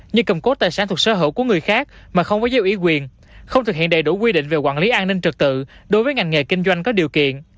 như cầm cốt tài sản thuộc sở hữu của người khác mà không có gieo ý quyền không thực hiện đầy đủ quy định về quản lý an ninh trật tự đối với ngành nghề kinh doanh có điều kiện